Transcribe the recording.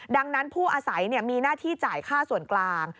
ดังนั้นผู้อาศัยมีหน้าที่จ่ายค่าส่วนกลาง